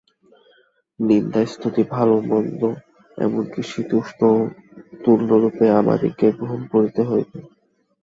নিন্দা-স্তুতি, ভাল-মন্দ, এমন কি শীত-উষ্ণও তুল্যরূপে আমাদিগকে গ্রহণ করিতে হইবে।